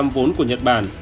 vốn của nhật bản